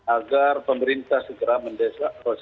agar pemerintah segera mendesak